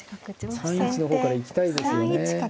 ３一の方から行きたいですよね。